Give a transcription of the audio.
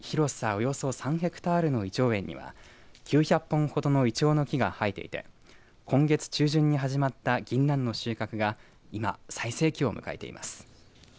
およそ３ヘクタールのいちょう園には９００本ほどのいちょうの木が生えていて今月中旬に始まったぎんなんの収穫が今、最盛期を迎えています。